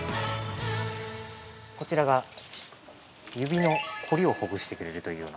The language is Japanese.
◆こちらが、指の凝りをほぐしてくれるという。